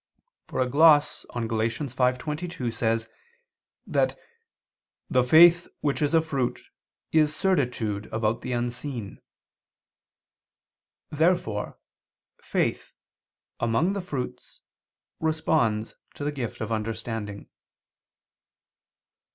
For a gloss on Gal. 5:22 says that the "faith which is a fruit, is certitude about the unseen." Therefore faith, among the fruits, responds to the gift of understanding.